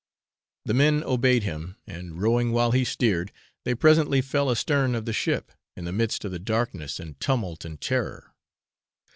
The men obeyed him, and rowing while he steered, they presently fell astern of the ship, in the midst of the darkness and tumult and terror.